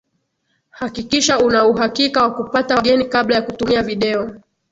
hakikisha una uhakika wa kupata wageni kabla ya kutumia video